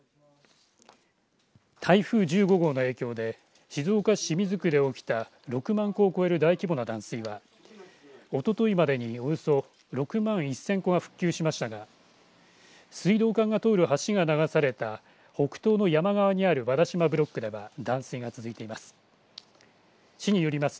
台風１５号の影響で静岡市清水区で起きた６万戸を超える大規模な断水はおとといまでにおよそ６万１０００戸が復旧しましたが水道管が通る橋が流された北東の山側にある和田島ブロックでは断水が続いています。